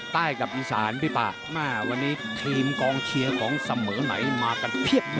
ใต้กับอีสานพี่ป่าวันนี้ทีมกองเชียร์ของเสมอไหนมากันเพียบเลย